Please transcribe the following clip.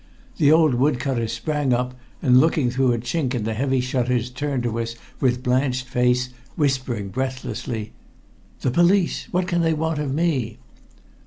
The old wood cutter sprang up, and looking through a chink in the heavy shutters turned to us with blanched face, whispering breathlessly "The police! What can they want of me?"